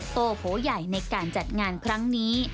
โตโผใหญ่ในการจัดงานครั้งนี้